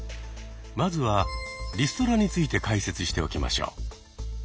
まずはリストラについて解説しておきましょう。